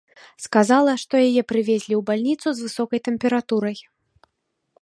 Сказала, што яе прывезлі ў бальніцу з высокай тэмпературай.